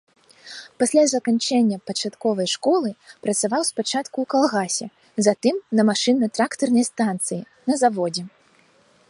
Пасля заканчэння пачатковай школы працаваў спачатку ў калгасе, затым на машынна-трактарнай станцыі, на заводзе.